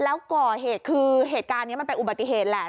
แล้วก่อเหตุการณ์นี้มันเป็นอุบัติเกตแหละ